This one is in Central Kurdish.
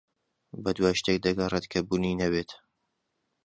بەدوای شتێک دەگەڕێت کە بوونی نەبێت.